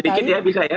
sedikit ya bisa ya